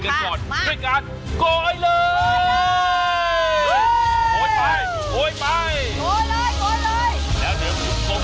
จะบอกเลยว่ามีทั้งขวาการะบาลแดงและขวาพันธุ์กว่าคุณสองค่ะ